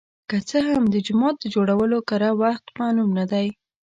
که څه هم د جومات د جوړولو کره وخت معلوم نه دی.